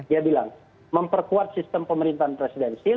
dia bilang memperkuat sistem pemerintahan presidensil